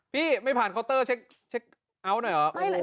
พี่ไม่ผ่านเคาน์เตอร์เช็คเอาท์หน่อยเหรอ